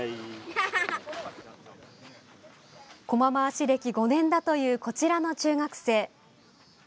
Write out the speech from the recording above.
こま回し歴５年だというこちらの中学生。